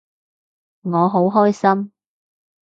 我好開心